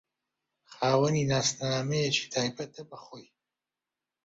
خاوەنی ناسنامەیەکی تایبەتە بە خۆی